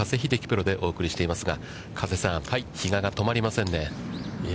プロでお送りしていますが、加瀬さん、比嘉が止まりませんね。